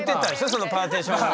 そのパーティションを。